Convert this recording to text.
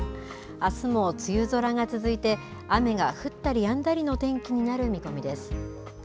あすも梅雨空が続いて、雨が降ったりやんだりの天気になる見込みです。